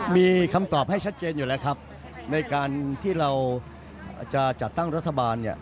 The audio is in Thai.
มีคำตอบให้ชัดเจนอยู่แล้วครับในการที่เราจะจัดตั้งรัฐบาลเนี่ย